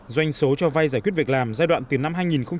doanh số cho vay giải quyết việc làm giai đoạn từ năm hai nghìn một mươi năm